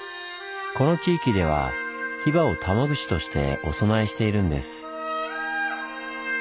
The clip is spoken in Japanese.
この地域ではヒバを玉串としてお供えしているんです。